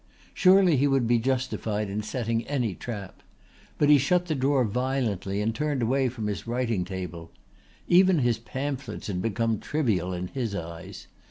Surely he would be justified in setting any trap. But he shut the drawer violently and turned away from his writing table. Even his pamphlets had become trivial in his eyes.